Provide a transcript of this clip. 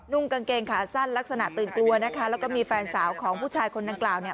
กางเกงขาสั้นลักษณะตื่นกลัวนะคะแล้วก็มีแฟนสาวของผู้ชายคนดังกล่าวเนี่ย